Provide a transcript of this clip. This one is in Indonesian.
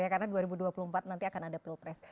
karena dua ribu dua puluh empat nanti akan ada pilpres